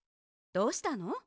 どうしたの？